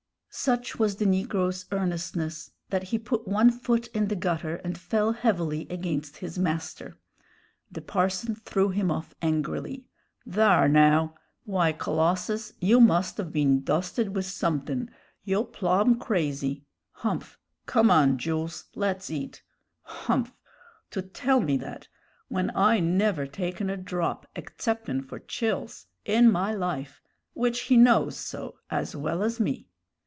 Such was the negro's earnestness that he put one foot in the gutter, and fell heavily against his master. The parson threw him off angrily. "Thar, now! Why, Colossus, you must of been dosted with sumthin'; yo' plum crazy. Humph, come on, Jools, let's eat! Humph! to tell me that, when I never taken a drop, exceptin' for chills, in my life which he knows so as well as me!"